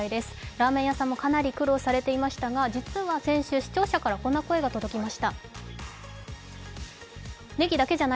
ラーメン屋さんもかなり苦労していましたが実は先週、視聴者からこんな声が届きました。